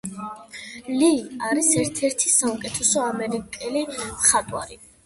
ლი არის ერთ-ერთი საუკეთესო ამერიკელი მხატვარი.